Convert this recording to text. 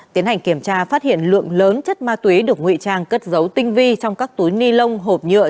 tiến hành kiểm tra phát hiện lượng lớn chất ma túy được ngụy trang cất dấu tinh vi trong các túi ni lông hộp nhựa